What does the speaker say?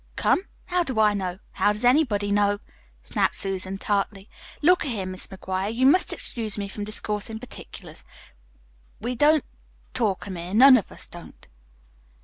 "Come? How do I know? How does anybody know?" snapped Susan tartly. "Look a here, Mis' McGuire, you must excuse me from discoursin' particulars. We don't talk 'em here. None of us don't."